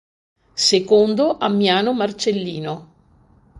Secondo Ammiano Marcellino.